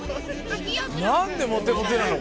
何でモテモテなの？